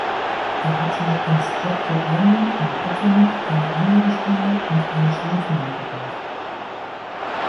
Er hatte in Stratford Landing am Potomac eine Anlegestelle und eine Schrotmühle gebaut.